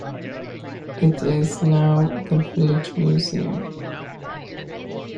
It is now the village museum.